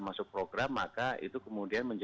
masuk program maka itu kemudian